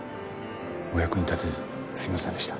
お役に立てずすいませんでした。